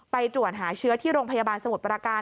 ตรวจหาเชื้อที่โรงพยาบาลสมุทรประการ